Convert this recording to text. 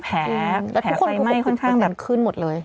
แผลไฟไหม้ค่อนข้างมันขึ้นหมดเลย